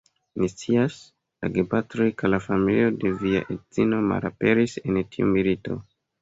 Ni scias, la gepatroj kaj la familio de via edzino malaperis en tiu milito.